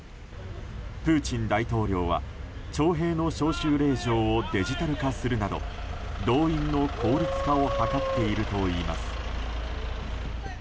プーチン大統領は徴兵の招集令状をデジタル化するなど動員の効率化を図っているといいます。